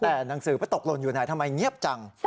แต่หนังสือไปตกหล่นอยู่ไหนทำไมเงียบจัง